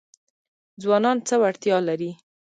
ځوانان څه وړتیا لري؟